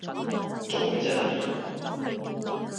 做咩啫你